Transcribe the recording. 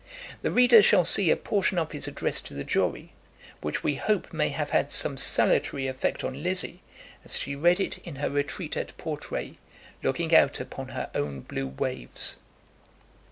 The reader shall see a portion of his address to the jury, which we hope may have had some salutary effect on Lizzie, as she read it in her retreat at Portray, looking out upon her own blue waves.